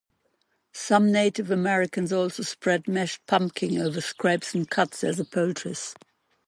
Some Native Americans also spread mashed pumpkin over scrapes and cuts as a poultice.